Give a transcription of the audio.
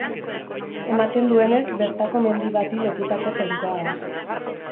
Ematen duenez bertako mendi bati lotutako jainkoa da.